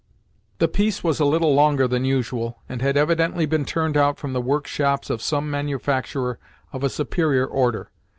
The piece was a little longer than usual, and had evidently been turned out from the work shops of some manufacturer of a superior order.